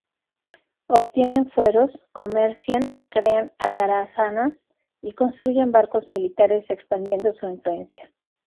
Obtienen fueros, comercian, crean atarazanas y construyen barcos militares, expandiendo su influencia.